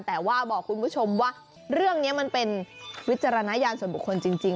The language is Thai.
แต่ว่าบอกคุณผู้ชมว่าเรื่องนี้มันเป็นวิจารณญาณส่วนบุคคลจริง